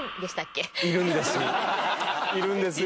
いるんです。